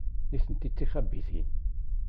Nitenti d tixabitin.